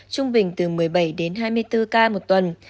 trung bình từ một mươi bảy đến hai mươi bốn ca một tuần